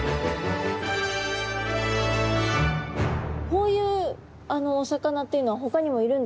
こういうお魚っていうのはほかにもいるんですか？